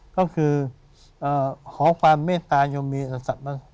ก็คือขอความเมตายมีสัตว์